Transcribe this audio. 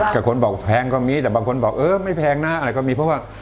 แต่คนบอกแพงก็มีแต่บางคนบอกเออไม่แพงนะอะไรก็มีเพราะว่า